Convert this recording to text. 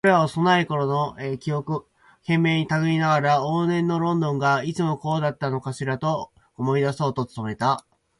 彼は幼いころの記憶を懸命にたぐりながら、往年のロンドンがいつもこうだったのかしらと思い出そうと努めた。